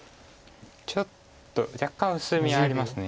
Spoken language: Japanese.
ちょっと若干薄みあります。